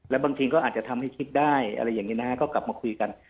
แล้วบางทีก็อาจจะทำให้คิดได้อะไรอย่างนี้นะฮะก็กลับมาคุยกัน